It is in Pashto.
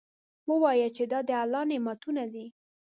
ووایه چې دا د الله نعمتونه دي.